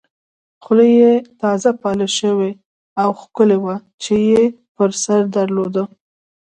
خولۍ یې تازه پالش شوې او ښکلې وه چې یې پر سر درلوده.